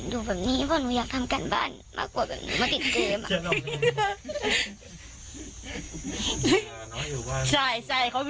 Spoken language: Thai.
อยู่แบบนี้เพราะหนูอยากทำการบ้านมากกว่าแบบนี้มาติดเกม